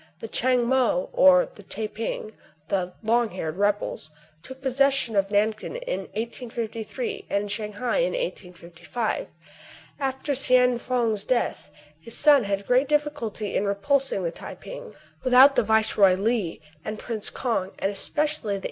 The Tchang Mao, or the Tai ping, — the "long haired rebels," — took possession of Nankin in 1853, and Shang hai in 1855. After S'Hiene Fong's death, his son had great difficulty in repulsing the Tai ping. Without the Viceroy Li, and Prince Kong, and especially the